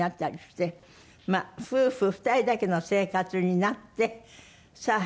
夫婦２人だけの生活になってさあ